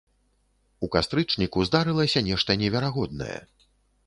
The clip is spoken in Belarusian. У кастрычніку здарылася нешта неверагоднае.